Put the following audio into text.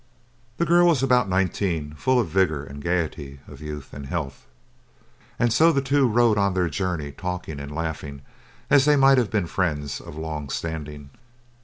The girl was about nineteen, full of the vigor and gaiety of youth and health; and so the two rode on their journey talking and laughing as they might have been friends of long standing.